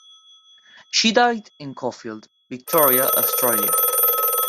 She died in Caulfield, Victoria, Australia.